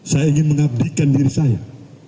saya ingin mengabdikan diri saya